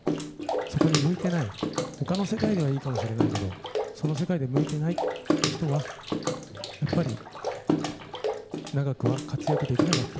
そこに向いてない他の世界ではいいかもしれないけどその世界で向いてない人はやっぱり長くは活躍できなかった。